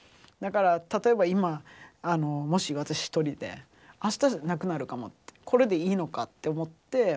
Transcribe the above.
だから例えば今あのもし私一人であした亡くなるかもこれでいいのかって思って。